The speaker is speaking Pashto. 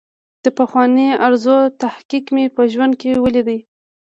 د پخوانۍ ارزو تحقق مې په ژوند کې ولید.